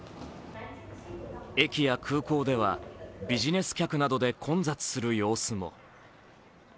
駅や空港ではビジネス客などで混雑する様子も。